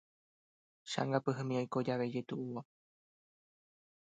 Che'angapyhymi oiko jave ijetu'úva.